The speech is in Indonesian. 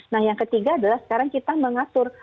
nah yang ketiga adalah sekarang kita mengatur